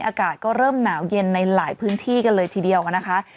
อากาศก็เริ่มหนาวเย็นในหลายพื้นที่กันเลยทีเดียวนะคะ